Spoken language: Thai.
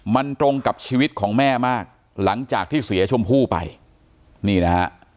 มันตรงกับชีวิตของแม่มากหลังจากที่เสียชมพู่ไปนี่นะฮะ